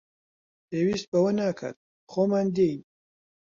پێویست بەوە ناکات، خۆمان دێین